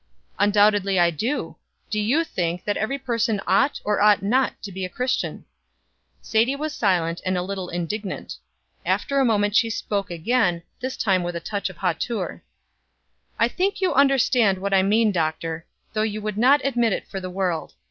"Undoubtedly I do. Do you think that every person ought or ought not to be a Christian?" Sadie was silent, and a little indignant. After a moment she spoke again, this time with a touch of hauteur: "I think you understand what I mean, Doctor, though you would not admit it for the world.